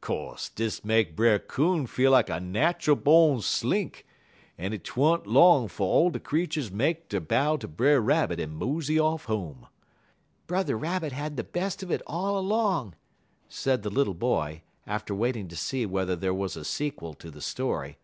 "Co'se dis make Brer Coon feel like a nat'al born Slink, en 't wa'n't long 'fo' all de creeturs make der bow ter Brer Rabbit en mosey off home." "Brother Rabbit had the best of it all along," said the little boy, after waiting to see whether there was a sequel to the story.